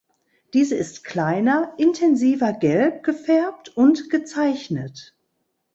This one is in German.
Diese ist kleiner, intensiver gelb gefärbt und gezeichnet.